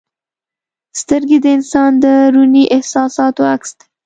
سترګې د انسان د دروني احساساتو عکس دی.